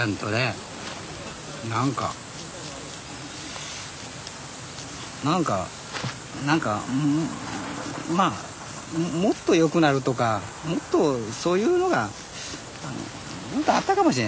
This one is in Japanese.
何か何か何かまあもっとよくなるとかもっとそういうのがあったかもしれないですね。